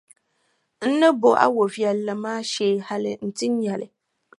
N ni bo a wɔʼ viɛlli maa shee hali nti nya li.